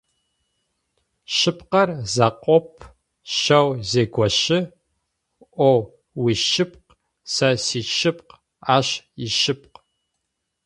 Шъыпкъэр закъоп, щэу зегощы, о уишъыпкъ, сэ сишъыпкъ, ащ ишъыпкъ.